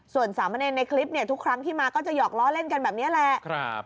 ส่วนสามเณรในคลิปเนี่ยทุกครั้งที่มาก็จะหอกล้อเล่นกันแบบนี้แหละ